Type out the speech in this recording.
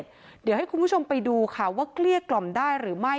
เดี๋ยวให้คุณผู้ชมไปดูค่ะว่าเกลี้ยกล่อมได้หรือไม่